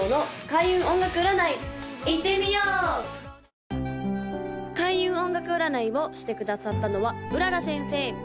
・開運音楽占いをしてくださったのは麗先生